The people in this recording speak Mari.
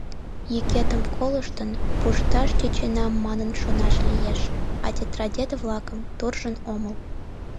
Йӱкетым колыштын, пушташ тӧченам манын шонаш лиеш, а тетрадет-влакым туржын омыл.